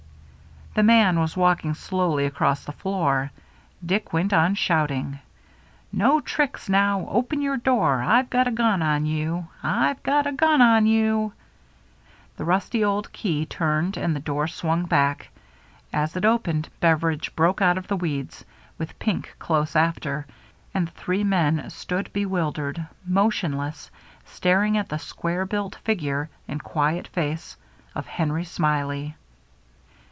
The man was walking slowly across the floor. Dick went on shouting :—" No tricks, now ! Open your door ! IVe got a gun on you — IVe got a gun on you !" The rusty old key turned and the door swung back. As it opened, Beveridge broke out of the weeds, with Pink close after, and the three men stood bewildered, motionless, staring at the square built figure and quiet face of — Henry Smiley.